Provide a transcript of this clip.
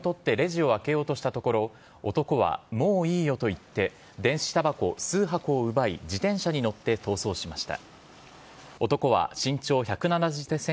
男性が鍵を取ってレジを開けようとしたところ、男はもういいよと言って、電子たばこ数箱を奪い、自転車に乗って逃走しました。